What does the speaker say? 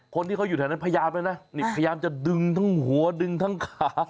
คนที่เขาอยู่แถวนั้นพยายามแล้วนะนี่พยายามจะดึงทั้งหัวดึงทั้งขา